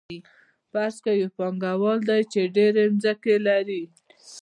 فرض کړئ یو پانګوال دی چې ډېرې ځمکې لري